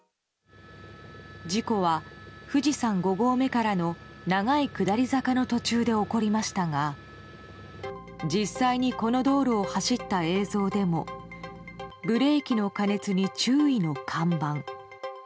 事故は、富士山５合目からの長い下り坂の途中で起こりましたが実際にこの道路を走った映像でもブレーキの過熱に注意の看板。